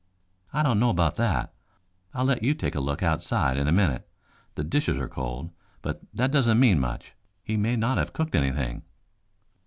"I don't know about that. I'll let you take a look outside in a minute. The dishes are cold, but that doesn't mean much he may not have cooked anything."